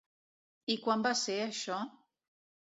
I quan va ser, això?